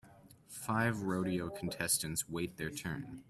Five rodeo contestants wait their turn.